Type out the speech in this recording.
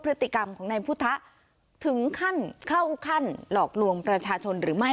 พฤติกรรมของนายพุทธะถึงขั้นเข้าขั้นหลอกลวงประชาชนหรือไม่